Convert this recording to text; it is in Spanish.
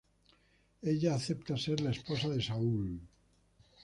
Ella acepta ser la esposa de Saúl.